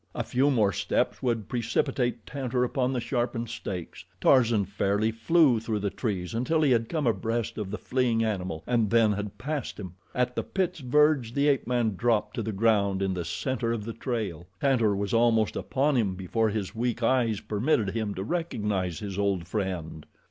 A few more steps would precipitate Tantor upon the sharpened stakes; Tarzan fairly flew through the trees until he had come abreast of the fleeing animal and then had passed him. At the pit's verge the ape man dropped to the ground in the center of the trail. Tantor was almost upon him before his weak eyes permitted him to recognize his old friend.